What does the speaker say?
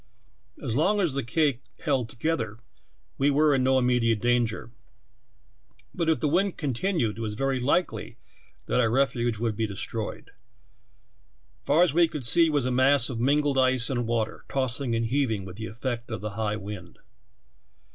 As long as the cake held together we were in no immediate danger, but if the wind continued it was ver^^ . likely that our refuge would be destroyed. Far as we could see was a mass of mingled ice and water, tossing and heaving with the effect of the high wind.